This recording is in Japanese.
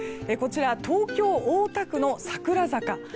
こちら、東京・大田区の桜坂。